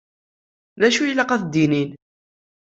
Dacu i ilaq ad d-nini?